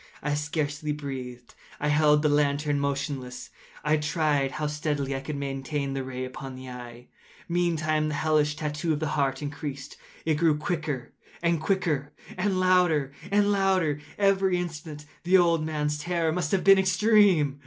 I scarcely breathed. I held the lantern motionless. I tried how steadily I could maintain the ray upon the eve. Meantime the hellish tattoo of the heart increased. It grew quicker and quicker, and louder and louder every instant. The old man’s terror must have been extreme!